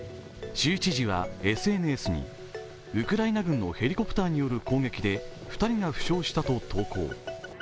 州知事はＳＮＳに、ウクライナ軍のヘリコプターによる攻撃で２人が負傷したと投稿。